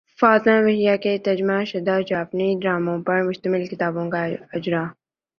فاطمہ بجیا کے ترجمہ شدہ جاپانی ڈراموں پر مشتمل کتاب کا اجراء